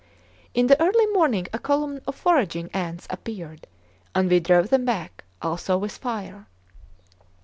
In the early morning a column of foraging ants appeared, and we drove them back, also with fire.